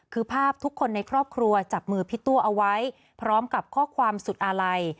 คือภาพทุกคนในครอบครัวจับมือพี่ตัวเอาไว้พร้อมกับข้อความสุดอาลัย